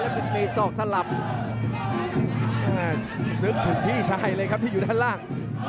นึกถึงพี่ชายเลยครับที่อยู่ด้านล่าง